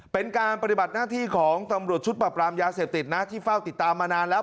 เป็นการปฏิบัติหน้าที่ของตำรวจชุดปรับรามยาเสพติดนะที่เฝ้าติดตามมานานแล้ว